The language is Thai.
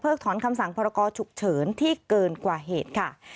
เพิ่งถอนคำสั่งภารกอศ์ฉุกเฉินที่เกินกว่าเหตุค่ะ